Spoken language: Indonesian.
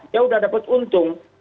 ya udah dapet untung